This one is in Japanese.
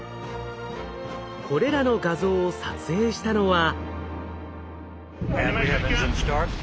これらの画像を撮影したのは。